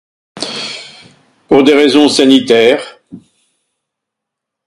Pour des raisons sanitaires.